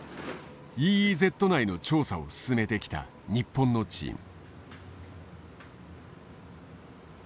ＥＥＺ内の調査を進めてきた日本のチーム。